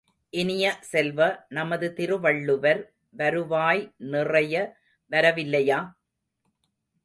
இனிய செல்வ, நமது திருவள்ளுவர், வருவாய் நிறைய வரவில்லையா?